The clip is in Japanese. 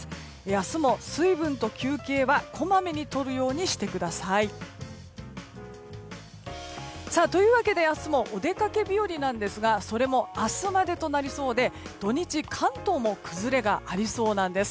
明日も水分と休憩は、こまめにとるようにしてください。というわけで、明日もお出かけ日和なんですがそれも明日までとなりそうで土日、関東も崩れがありそうなんです。